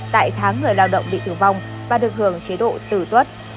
tại tháng người lao động bị tử vong và được hưởng chế độ tử tuất